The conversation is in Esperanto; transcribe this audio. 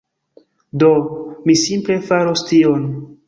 Do, mi simple faros tion.